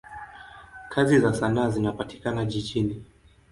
Kazi za sanaa zinapatikana jijini.